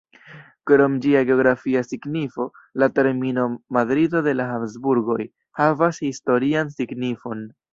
Krom ĝia geografia signifo, la termino "Madrido de la Habsburgoj" havas historian signifon.